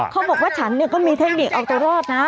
เขาบอกฉันเนี่ยก็มีเทคนิคเอาตัวรอดนะ